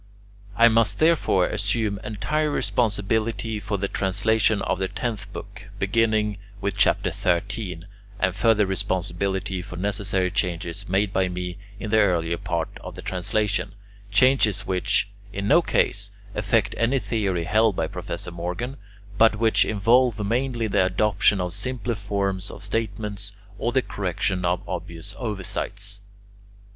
I must, therefore, assume entire responsibility for the translation of the tenth book, beginning with chapter thirteen, and further responsibility for necessary changes made by me in the earlier part of the translation, changes which, in no case, affect any theory held by Professor Morgan, but which involve mainly the adoption of simpler forms of statement, or the correction of obvious oversights.